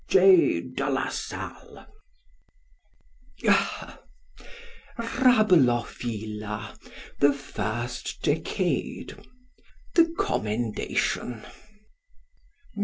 J. De la Salle. Rablophila. The First Decade. The Commendation.